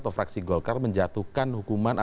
atau fraksi golkar menjatuhkan hukuman